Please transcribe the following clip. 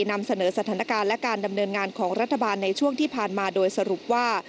นำเสนอสถานการณ์และการดำเนินงานของรัฐบาลในช่วงที่ผ่านมาโดยสรุปว่า